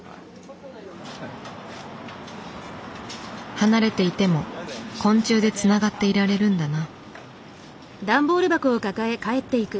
離れていても昆虫でつながっていられるんだな。